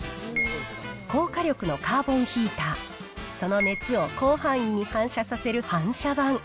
高火力のカーボンヒーター、その熱を広範囲に反射させる反射板。